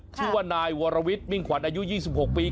ชื่อว่านายวรวิทย์มิ่งขวัญอายุ๒๖ปี